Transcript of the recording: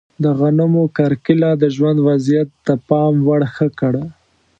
د غنمو کرکیله د ژوند وضعیت د پام وړ ښه کړ.